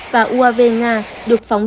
và uav nga được phóng